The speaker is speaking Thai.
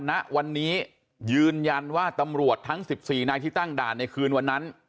ณวันนี้ยืนยันว่าตำรวจทั้ง๑๔นายที่ตั้งด่านในคืนวันนั้น